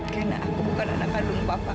karena aku bukan anak kandung papa kan